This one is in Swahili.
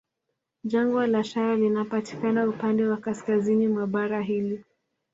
Jangwa la Shara linapatikana upande wa kaskazini mwa bara hili